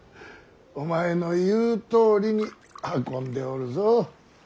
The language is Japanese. お前の言うとおりに運んでおるぞ。